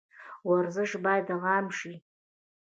ورزش باید عام شي